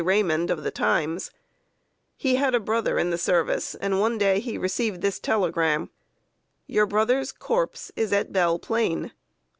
Raymond, of The Times. He had a brother in the service, and one day he received this telegram: "Your brother's corpse is at Belle Plain."